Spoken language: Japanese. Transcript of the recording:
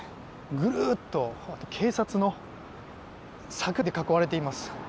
ぐるっと警察の柵で囲われています。